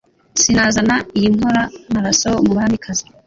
sinazana iyinkora maraso mubamikazi